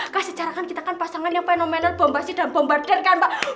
kak secara kan kita kan pasangan yang fenomenal bombasi dan bombarder kan mbak